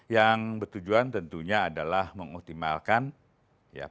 yang bertujuan tentunya adalah mengoptimalkan ya